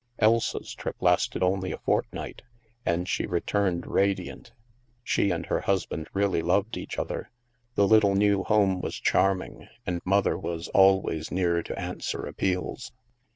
Elsa's trip lasted only a fortnight, and she re turned radiant. She and her husband really loved each other, the little new home was charming, and Mother was always near to answer appeals.